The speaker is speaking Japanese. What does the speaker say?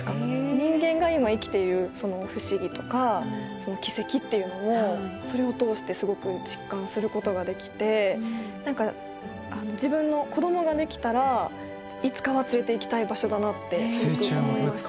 人間が今生きているその不思議とかその奇跡っていうのもそれを通してすごく実感することができて何か自分の子供ができたらいつかは連れていきたい場所だなってすごく思いました。